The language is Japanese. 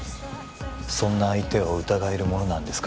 そんな相手を疑えるものなんですか？